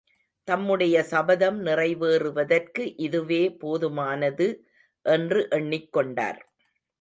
தம்முடைய சபதம் நிறைவேறுவதற்கு இதுவே போதுமானது என்று எண்ணிக் கொண்டார்.